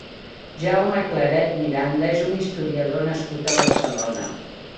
Jaume Claret Miranda és un historiador nascut a Barcelona.